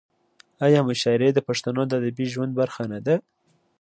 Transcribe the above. آیا مشاعرې د پښتنو د ادبي ژوند برخه نه ده؟